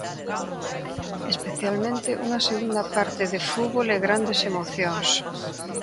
Especialmente unha segunda parte de fútbol e grandes emocións.